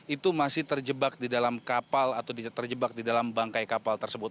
itu masih terjebak di dalam kapal atau terjebak di dalam bangkai kapal tersebut